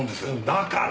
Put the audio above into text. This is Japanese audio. だから。